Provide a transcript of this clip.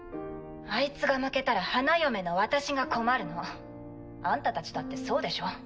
あいつが負けたら花嫁の私が困るの。あんたたちだってそうでしょ。